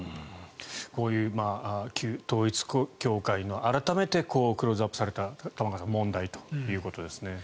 こういう旧統一教会の改めてクローズアップされた玉川さん問題ということですね。